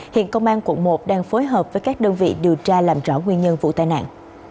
hiện công an quận một đang phối hợp với các đơn vị điều tra làm rõ nguyên nhân vụ tai nạn